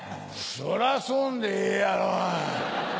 そりゃそんでええやろう。